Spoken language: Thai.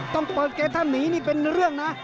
ต้องเปิดเกณฑ์ถ้าหนีนี่เป็นเรื่องนะ